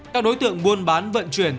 các đối tượng buôn bán vận chuyển